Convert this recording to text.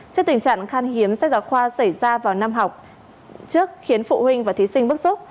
trước tình trạng khan hiếm sách giáo khoa xảy ra vào năm học trước khiến phụ huynh và thí sinh bức xúc